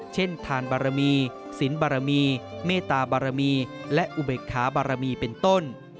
เช่นทานบารมีสินบารมีเมตตาบารมีและอุเบกขาบารมีเป็นต้น